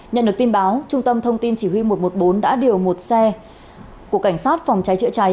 nhận được tin báo trung tâm thông tin chỉ huy một trăm một mươi bốn đã điều một xe của cảnh sát phòng cháy chữa cháy